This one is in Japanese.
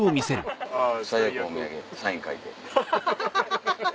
最悪お土産サイン書いて。